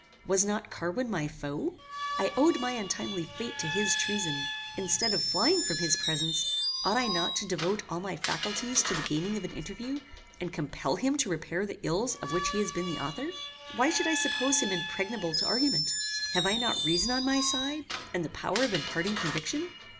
Was not Carwin my foe? I owed my untimely fate to his treason. Instead of flying from his presence, ought I not to devote all my faculties to the gaining of an interview, and compel him to repair the ills of which he has been the author? Why should I suppose him impregnable to argument? Have I not reason on my side, and the power of imparting conviction?